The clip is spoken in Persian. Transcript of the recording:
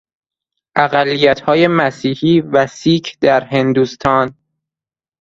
اقلیتهای مسیحی و سیک در هندوستان